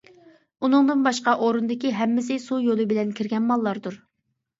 ئۇنىڭدىن باشقا ئورۇندىكى ھەممىسى سۇ يولى بىلەن كىرگەن ماللاردۇر.